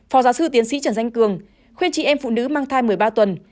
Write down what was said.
phó giáo sư tiến sĩ trần danh cường khuyên chị em phụ nữ mang thai một mươi ba tuần